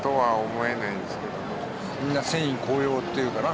みんな戦意高揚っていうかな。